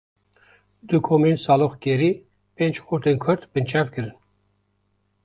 Du komên saloxgerî, pênc xortên Kurd binçav kirin